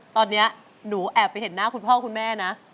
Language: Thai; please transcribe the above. ตอนนี้หนูแอบไปเห็นหน้าคุณพ่อคุณแม่นะ